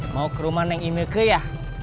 mau ke rumah neng imeke ya